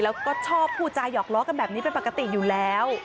แล้วก็ชอบพูดจาหยอกล้อกันแบบนี้เป็นปกติอยู่แล้ว